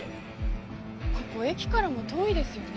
ここ駅からも遠いですよね？